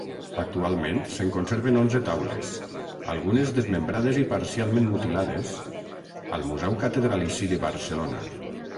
Actualment se'n conserven onze taules, algunes desmembrades i parcialment mutilades, al Museu Catedralici de Barcelona.